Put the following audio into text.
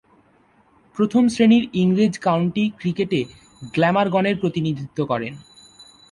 প্রথম-শ্রেণীর ইংরেজ কাউন্টি ক্রিকেটে গ্ল্যামারগনের প্রতিনিধিত্ব করেন।